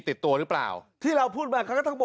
หาวหาวหาวหาวหาวหาวหาวหาว